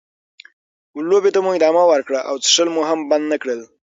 لوبې ته مو ادامه ورکړه او څښل مو هم بند نه کړل.